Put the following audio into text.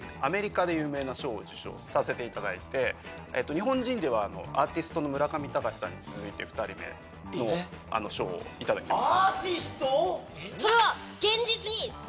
日本人ではアーティストの村上隆さんに続いて２人目の賞を頂きました。